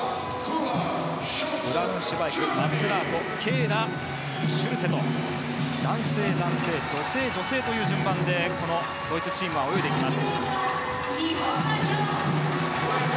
ブラウンシュバイクマッツェラートケーラー、シュルツェと男性、男性、女性、女性という順番でこのドイツチームは泳いでいきます。